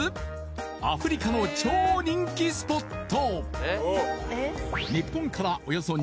アフリカの超人気スポット